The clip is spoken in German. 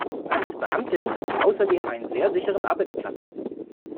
Als Beamtin hat sie außerdem einen sehr sicheren Arbeitsplatz.